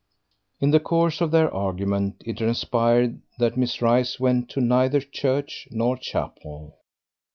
In the course of their argument it transpired that Miss Rice went to neither church nor chapel.